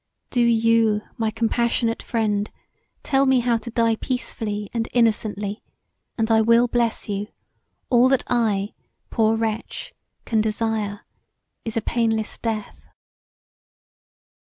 Do you, my compassionate friend, tell me how to die peacefully and innocently and I will bless you: all that I, poor wretch, can desire is a painless death."